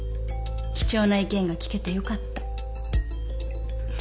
貴重な意見が聞けてよかった。